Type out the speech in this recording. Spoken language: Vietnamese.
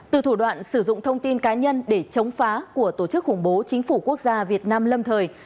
từ thủ đoạn sử dụng thông tin cá nhân để chống phá của tổ chức khủng bố chính phủ quốc gia việt nam lâm thời